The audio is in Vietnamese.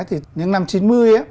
thì những năm chín mươi á